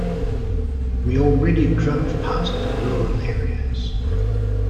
We already drove past the rural areas.